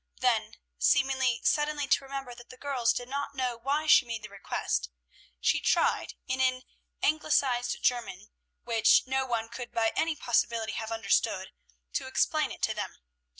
Then, seeming suddenly to remember that the girls did not know why she made the request, she tried in an anglicized German, which no one could by any possibility have understood, to explain it to them.